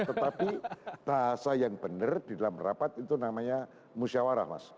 tetapi bahasa yang benar di dalam rapat itu namanya musyawarah mas